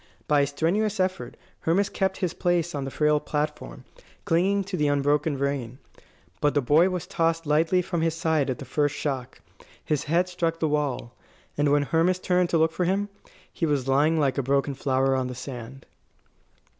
By a strenuous effort Hermas kept his place on the frail platform, clinging to the unbroken rein. But the boy was tossed lightly from his side at the first shock. His head struck the wall. And when Hermas turned to look for him, he was lying like a broken flower on the sand.